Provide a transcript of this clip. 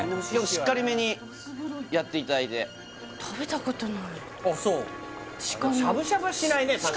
しっかりめにやっていただいて食べたことないあっそうシカなんてしゃぶしゃぶはしないね